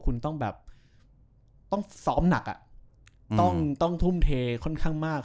คุณต้องแบบต้องซ้อมหนักต้องทุ่มเทค่อนข้างมาก